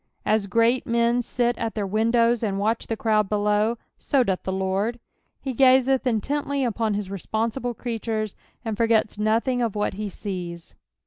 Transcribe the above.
Os great men sit at their windows and watch the crowd below, so doth the Lord^ he gazeth intently upon his reapnnsible creatures, and forgets nothing of what he sees.